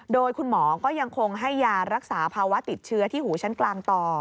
โดยคุณหมอก็ยังคงให้ยารักษาภาวะติดเชื้อที่หูชั้นกลางต่อ